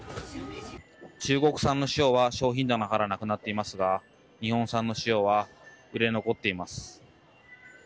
中国産の塩は商品棚からなくなっていますが日本産の塩は売れ残っています。